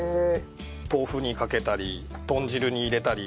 豆腐にかけたり豚汁に入れたり。